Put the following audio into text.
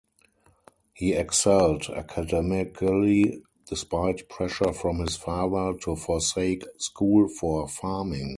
He excelled academically despite pressure from his father to forsake school for farming.